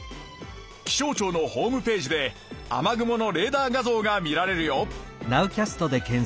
気象庁のホームページで雨雲のレーダー画ぞうが見られるよ。